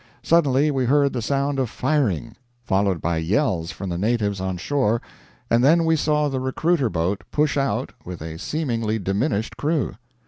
"Suddenly we heard the sound of firing, followed by yells from the natives on shore, and then we saw the recruiter boat push out with a seemingly diminished crew.